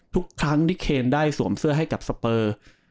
ทุกครั้งที่เคนได้สวมเสื้อให้กับสเปอร์